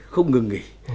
không ngừng nghỉ